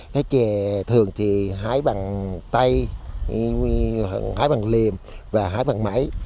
cái chè thường thì hái bằng tay hái bằng liềm và hái bằng máy